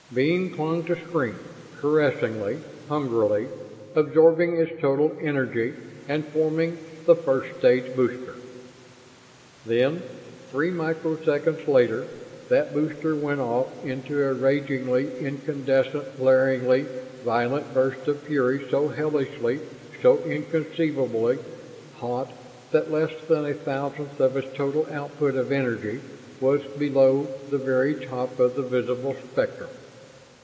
Beam clung to screen caressingly, hungrily absorbing its total energy and forming the first stage booster. Then, three microseconds later, that booster went off into a ragingly incandescent, glaringly violent burst of fury so hellishly, so inconceivably hot that less than a thousandth of its total output of energy was below the very top of the visible spectrum!